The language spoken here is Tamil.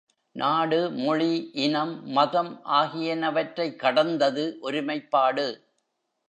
நாடு, மொழி, இனம், மதம் ஆகியனவற்றைக் கடந்தது ஒருமைப்பாடு.